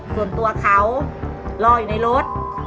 ส่วนตัวเขารออยู่ในรถ